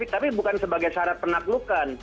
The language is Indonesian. tapi bukan sebagai syarat penaklukan